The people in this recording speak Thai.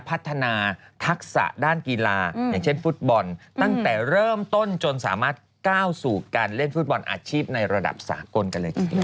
พัฒนาทักษะด้านกีฬาอย่างเช่นฟุตบอลตั้งแต่เริ่มต้นจนสามารถก้าวสู่การเล่นฟุตบอลอาชีพในระดับสากลกันเลยทีเดียว